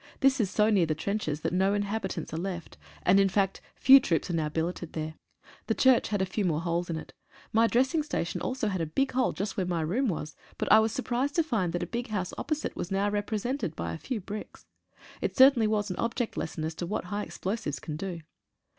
This is so near the trenches that no inhabitants are left, and in fact few troops are now billeted there. The church had a few more holes in it. My dressing station also had a big hole just where my room was, but I was sur prised to find that a big house opposite was now repre sented by a few bricks. It certainly was an object lesson as to what high explosives can do.